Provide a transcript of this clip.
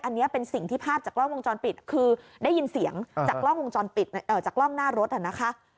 อันนี้เป็นสิ่งที่ภาพจากกล้องวงจรปิดคือได้ยินเสียงจากกล้องวงจรปิดจากกล้องหน้ารถนะคะ